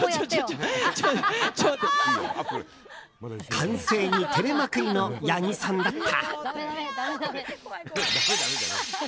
歓声に照れまくりの八木さんだった。